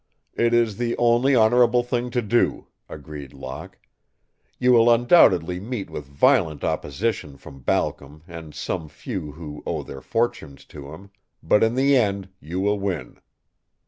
"It is the only honorable thing to do," agreed Locke. "You will undoubtedly meet with violent opposition from Balcom and some few who owe their fortunes to him, but in the end you will win."